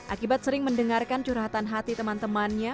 akibat sering mendengarkan curhatan hati teman temannya